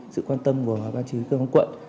sự quan tâm của ban chí công an quận